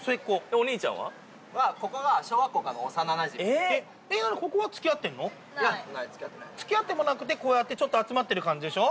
お兄ちゃんは？はここが付き合ってもなくてこうやってちょっと集まってる感じでしょ。